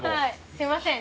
すいません。